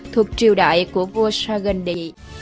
thuộc triều đại của vua sargondi